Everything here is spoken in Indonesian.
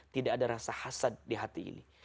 tidak ada rasa hasad di hati ini